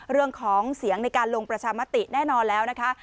เรื่องของเสียงในการลงประชามติแน่นอนแล้วนะคะ